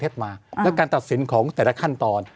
แล้วการตัดสินของแต่ละขั้นตอน